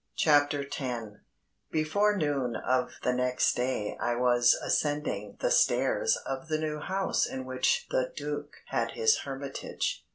CHAPTER TEN Before noon of the next day I was ascending the stairs of the new house in which the Duc had his hermitage.